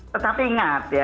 tetapi ingat ya